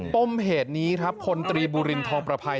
ป้มเหตุนี้ครับพลตรีบูรินทองประภัย